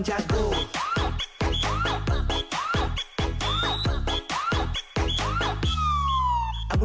ดู